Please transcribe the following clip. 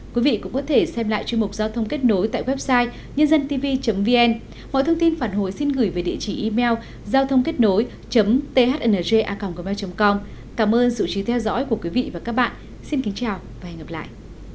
quý vị cũng có thể xem lại chuyên mục giao thông kết nối tại website nhândântv vn mọi thông tin phản hồi xin gửi về địa chỉ email giao thôngếtối thngja gmail com cảm ơn sự chú trí theo dõi của quý vị và các bạn xin kính chào và hẹn gặp lại